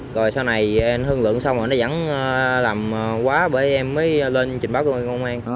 rồi sau này hương lượng xong rồi nó vẫn làm quá bởi em mới lên trình báo